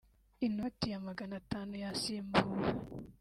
Inoti ya magana atanu yasimbuwe